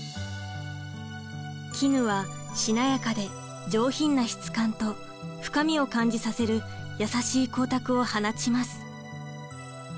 絹はしなやかで上品な質感と深みを感じさせる優しい光沢を放ちます。